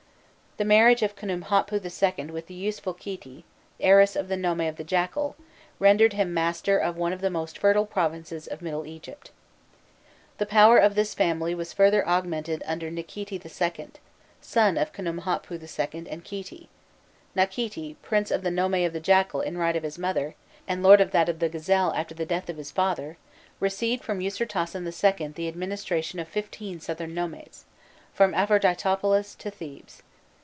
The marriage of Khnûmhotpû II. with the youthful Khîti, the heiress of the nome of the Jackal, rendered him master of one of the most fertile provinces of Middle Egypt. The power of this family was further augmented under Nakhîti II., son of Khnûmhotpû II. and Khîti: Nakhîti, prince of the nome of the Jackal in right of his mother, and lord of that of the Gazelle after the death of his father, received from Usirtasen II. the administration of fifteen southern nomes, from Aphroditopolis to Thebes.